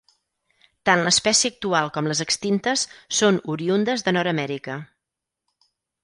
Tant l'espècie actual com les extintes són oriündes de Nord-amèrica.